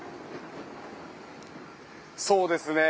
そうですね。